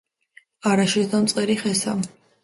არა შეჯდა მწყერი ხესა,